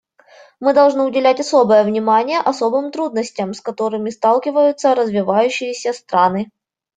Мы должны уделять особое внимание особым трудностям, с которыми сталкиваются развивающиеся страны.